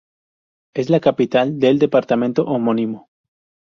Es la capital del departamento homónimo.